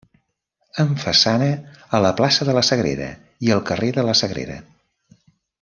Amb façana a la plaça de la Sagrera i al carrer de la Sagrera.